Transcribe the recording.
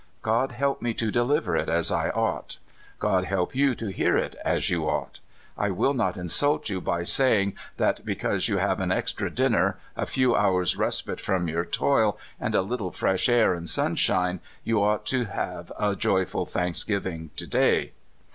God help me to deliver it as I ought ! God help you to hear it as you ought ! I will not insult you by say ing that because you have an extra dinner, a few hours' respite from your toil, and a little fresh air and sunshine, you ought to have a joyful thanks giving to day.